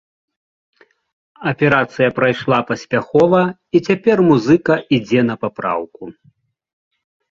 Аперацыя прайшла паспяхова і цяпер музыка ідзе на папраўку.